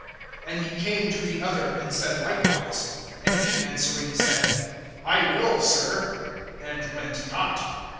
(30)And he came to the other[21:30], and said likewise. And he answering said: I will, sir; and went not.